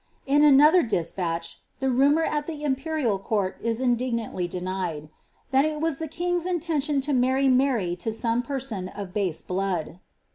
^ In another despatch. If at the imperial court is indignantly denied —^ that it was intention to marry Mary to some person of base blood.